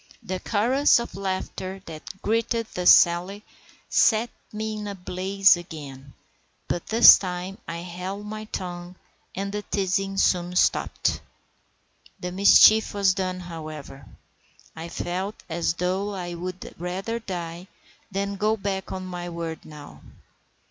The chorus of laughter that greeted this sally set me in a blaze again; but this time I held my tongue, and the teasing soon stopped. The mischief was done, however; I felt as though I would rather die than go back on my word now.